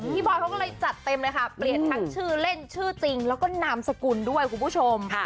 บอยเขาก็เลยจัดเต็มเลยค่ะเปลี่ยนทั้งชื่อเล่นชื่อจริงแล้วก็นามสกุลด้วยคุณผู้ชม